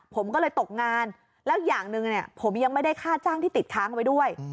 ผมก็เลยตกงานแล้วอย่างหนึ่งผมยังไม่ได้ค่าจ้างที่ติดค้างไว้ด้วย